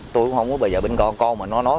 tôi cũng không có bây giờ bên con mà nó nói